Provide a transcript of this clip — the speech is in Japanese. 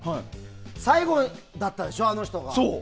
最後だったでしょ、あの人が。